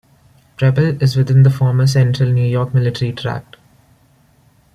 Preble is within the former Central New York Military Tract.